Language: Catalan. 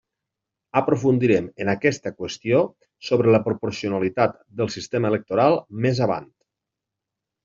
Aprofundirem en aquesta qüestió sobre la proporcionalitat del sistema electoral més avant.